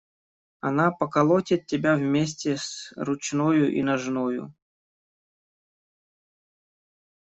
Она поколотит тебя вместе с ручною и ножною.